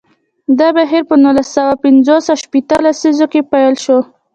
دا بهیر په نولس سوه پنځوس او شپیته لسیزو کې پیل شو.